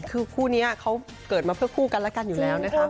คือคู่นี้เขาเกิดมาเพื่อคู่กันและกันอยู่แล้วนะคะ